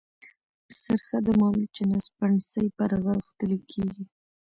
په سرخه د مالوچو نه سپڼسي پرغښتلي كېږي۔